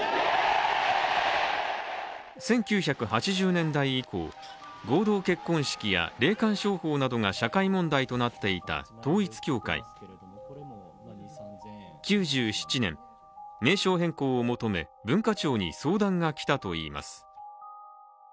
１９８０年代以降、合同結婚式や霊感商法などが社会問題となっていた統一教会９７年、名称変更を求め、文化庁に相談が来たといいます。